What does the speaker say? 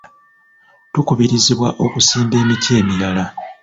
Tukubirizibwa okusimba emiti emirala.